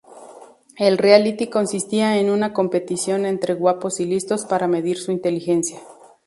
El reality consistía en una competición entre "guapos" y "listos" para medir su inteligencia.